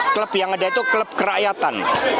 klub yang ada itu klub kerakyatan